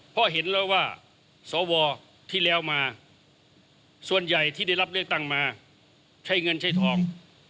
เพราะเห็นแล้วว่าสวที่แล้วมาส่วนใหญ่ที่ได้รับเลือกตั้งมาใช้เงินใช้ทอง